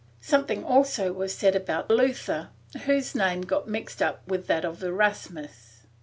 Something also was said about Luther, whose name got mixed up with that of Erasmus.